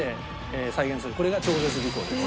これが超絶技巧です。